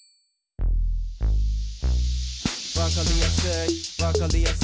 「わかりやすいわかりやすい」